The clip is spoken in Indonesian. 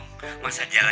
nggak saya jalan ya kan